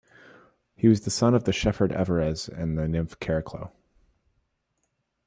He was the son of the shepherd Everes and the nymph Chariclo.